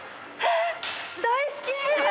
大好き！